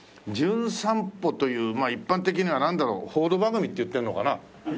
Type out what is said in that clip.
『じゅん散歩』という一般的にはなんだろう報道番組っていってんのかな？